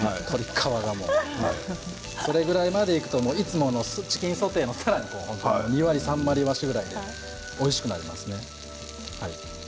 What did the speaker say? それぐらいまでいくといつものチキンソテーの２割３割増しくらいおいしくなります。